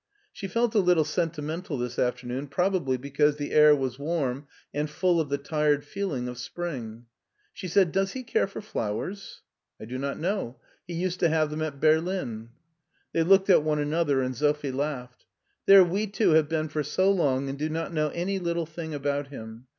She felt a little sentimental this afternoon, probably because the air was warm and full of the tired feeling of spring. She said :" Does he care for flowers ?"" I do not know. He used to have them at Berlin.'* They looked at one another, and Sophie laughed. " There we two have been here for so long and do not know any little thing about him.